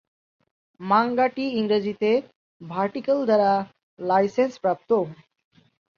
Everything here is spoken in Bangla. মাঙ্গাটি ইংরেজিতে ভার্টিকাল দ্বারা লাইসেন্সপ্রাপ্ত।